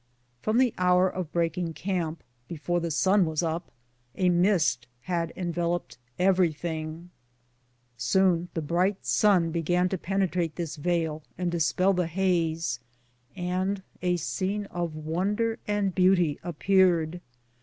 From the hour of breaking camp, before the sun was up, a mist had enveloped everything. Soon the bright snn began to penetrate this veil and dispel the haze, and a scene of wonder and beauty appeared.